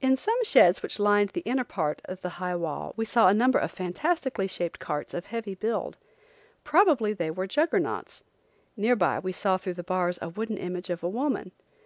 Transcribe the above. In some sheds which lined the inner part of the high wall we saw a number of fantastically shaped carts of heavy build. Probably they were juggernauts. Near by we saw through the bars a wooden image of a woman.